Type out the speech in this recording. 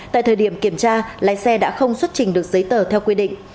tại thời điểm kiểm tra lái xe đã không xuất trình được giấy tờ theo quy định